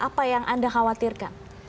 apa yang anda khawatirkan